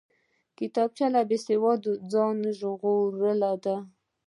کتابچه له بېسواده ځان ژغورل دي